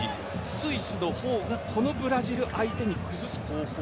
スイスの方がブラジル相手に崩す方向